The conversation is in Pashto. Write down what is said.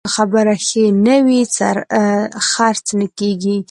که خبرې ښې نه وي، خرڅ نه کېږي.